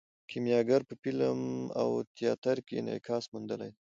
کیمیاګر په فلم او تیاتر کې انعکاس موندلی دی.